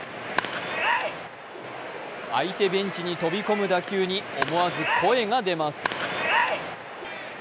相手ベンチに飛び込む打球に思わず声が出ます。